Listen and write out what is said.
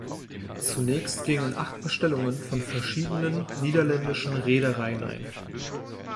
Zunächst gingen acht Bestellungen von verschiedenen niederländischen Reedereien ein.